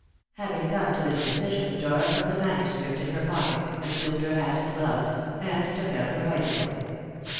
Having come to this decision, Dora put the manuscript in her pocket, assumed her hat and gloves, and took out her bicycle.